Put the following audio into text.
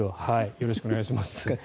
よろしくお願いします。